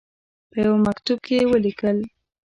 په یوه مکتوب کې ولیکل.